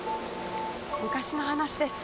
昔の話です。